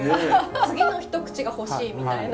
次の一口が欲しいみたいな。